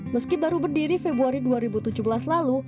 meski baru berdiri februari dua ribu tujuh belas lalu